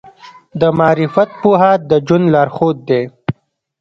د معرفت پوهه د ژوند لارښود دی.